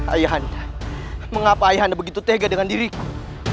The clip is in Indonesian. ayah anda mengapa ayah anda begitu tega dengan diriku